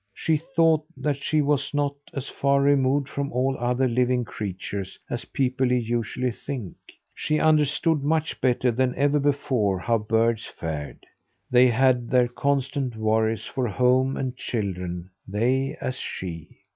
She thought that she was not as far removed from all other living creatures as people usually think. She understood much better than ever before, how birds fared. They had their constant worries for home and children; they, as she.